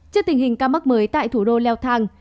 trước tình hình ca mắc mới tại thủ đô leo thang